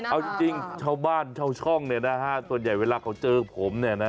เอาจริงชาวบ้านชาวช่องเนี่ยนะฮะส่วนใหญ่เวลาเขาเจอผมเนี่ยนะ